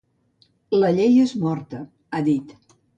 La llei és morta, ha dit.